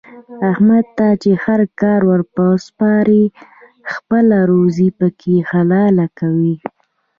احمد ته چې هر کار ور وسپارې خپله روزي پکې حلاله کوي.